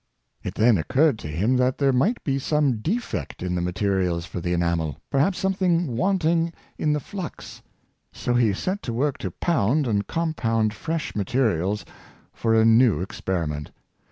It then occurred to him that there might be some de fect in the materials for the enamel — perhaps something 198 Bernai'd Palissy. wanting in the flux; so he set to work to pound and compound fresh materials for a new experiment.